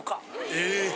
え？